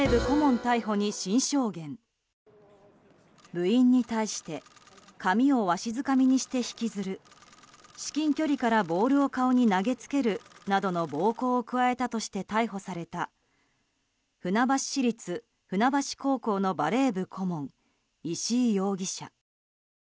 部員に対して髪をわしづかみにして引きずる至近距離からボールを顔に投げつけるなどの暴行を加えたとして逮捕された船橋市立船橋高校のバレー部顧問石井容疑者。